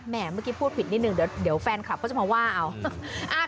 เมื่อกี้พูดผิดนิดนึงเดี๋ยวแฟนคลับเขาจะมาว่าเอา